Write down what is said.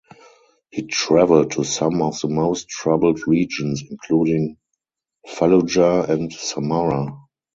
He traveled to some of the most troubled regions, including Fallujah and Samarra.